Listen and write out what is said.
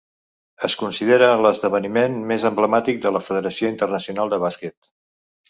Es considera l'esdeveniment més emblemàtic de la Federació Internacional de Bàsquet.